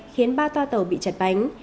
khiến ba toa tàu bị chật bánh